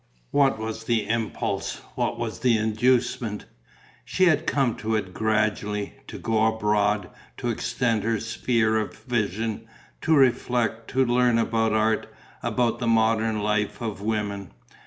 What was the impulse? What was the inducement?... She had come to it gradually, to go abroad, to extend her sphere of vision, to reflect, to learn about art, about the modern life of women.